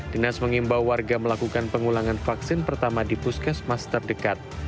dinas mengimbau warga melakukan pengulangan vaksin pertama di puskesmas terdekat